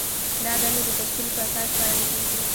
دا دندې د تشکیل په اساس سپارل کیږي.